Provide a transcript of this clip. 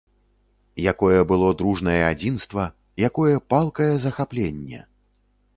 Якое было дружнае адзінства, якое палкае захапленне!